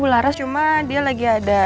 laras cuma dia lagi ada